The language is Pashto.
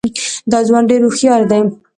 دا ځوان ډېر هوښیار دی.